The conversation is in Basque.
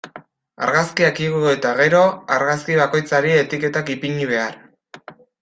Argazkiak igo eta gero, argazki bakoitzari etiketak ipini behar.